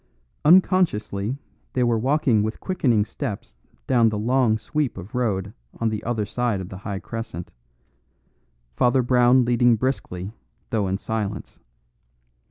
Unconsciously they were walking with quickening steps down the long sweep of road on the other side of the high crescent, Father Brown leading briskly, though in silence.